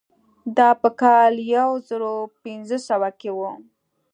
دا په کال یو زر پنځه سوه کې وه.